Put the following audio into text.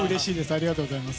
ありがとうございます。